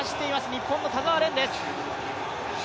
日本の田澤廉です。